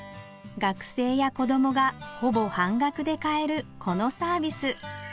学生や子供がほぼ半額で買えるこのサービス